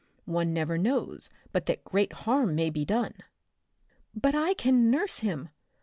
One never knows but that great harm may be done." "But I can nurse him.